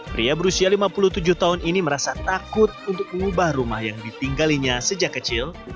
pria berusia lima puluh tujuh tahun ini merasa takut untuk mengubah rumah yang ditinggalinya sejak kecil